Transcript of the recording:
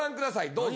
どうぞ。